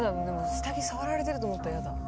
下着触られてると思ったら嫌だ。